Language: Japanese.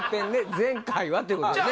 前回はっていうことでね